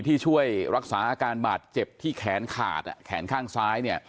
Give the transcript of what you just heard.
ที่ช่วยรักษาอาการบาดเจ็บที่แขนขาดแขนข้างซ้ายเนี่ย